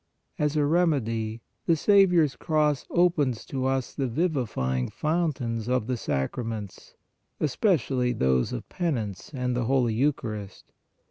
As a remedy, the Saviour s cross opens to us the vivifying fountains of the sacraments, especially those of Penance and the Holy Eucharist.